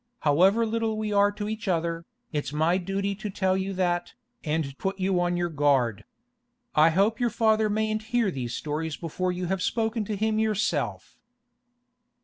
However little we are to each other, it's my duty to tell you that, and put you on your guard. I hope your father mayn't hear these stories before you have spoken to him yourself.